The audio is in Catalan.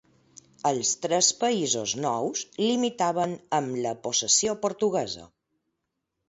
Els tres països nous limitaven amb la possessió portuguesa: